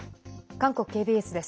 韓国ＫＢＳです。